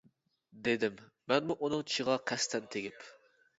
-دېدىم مەنمۇ ئۇنىڭ چىشىغا قەستەن تېگىپ.